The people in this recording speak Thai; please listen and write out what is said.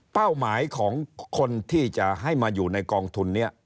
เป้าหมายของคนที่จะให้มาอยู่ในกองทุนนี้